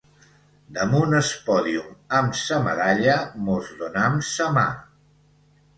Damunt es pòdium amb sa medalla mos donam sa mà.